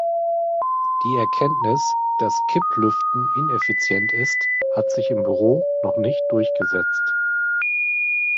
Die Erkenntnis, dass Kipplüften ineffizient ist, hat sich im Büro noch nicht durchgesetzt.